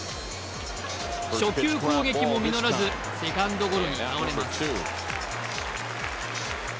初球攻撃も実らず、セカンドゴロに倒れます。